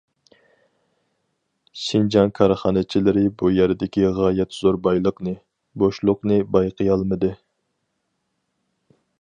شىنجاڭ كارخانىچىلىرى بۇ يەردىكى غايەت زور بايلىقنى، بوشلۇقنى بايقىيالمىدى.